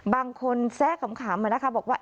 บางคนแซ่ขำมานะคะบอกว่า